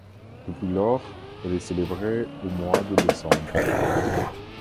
Depuis lors, elle est célébrée au mois de décembre.